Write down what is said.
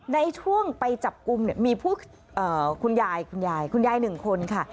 ในช่วงไปจับกลุ่มมีผู้คุณยายคุณยายหนึ่งคนค่ะ